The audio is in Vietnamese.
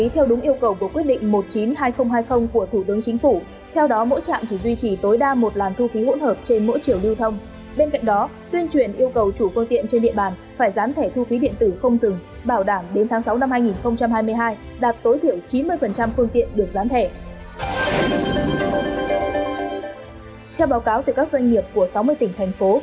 theo báo cáo từ các doanh nghiệp của sáu mươi tỉnh thành phố